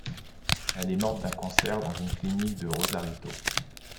Elle est morte d'un cancer dans une clinique de Rosarito.